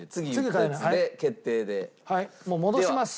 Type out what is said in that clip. もう戻します。